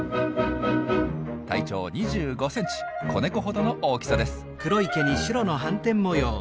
体長２５センチ子猫ほどの大きさです。